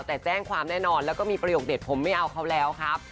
แต่แจ้งความแน่นอนแล้วก็มีประโยคเด็ดผมไม่เอาเขาแล้วครับ